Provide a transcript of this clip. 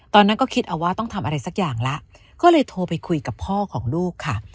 ตอนนั้นก็คิดเอาว่าต้องทำอะไรสักอย่างแล้วก็เลยโทรไปคุยกับพ่อของลูกค่ะ